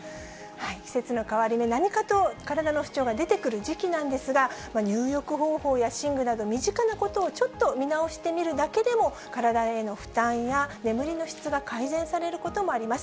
季節の変わり目、何かと体の不調が出てくる時期なんですが、入浴方法や寝具など、身近なことをちょっと見直してみるだけでも、体への負担や眠りの質が改善されることもあります。